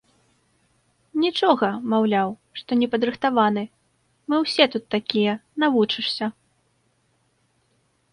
Нічога, маўляў, што непадрыхтаваны, мы ўсе тут такія, навучышся.